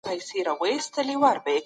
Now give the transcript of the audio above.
یوازي یوې ځانګړي ډلي جنګي زده کړي کولې.